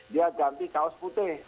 dia ganti kaos putih